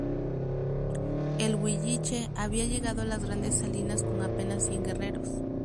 El huilliche había llegado a las Grandes Salinas con apenas cien guerreros.